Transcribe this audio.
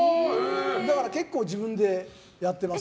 だから結構自分でやってます。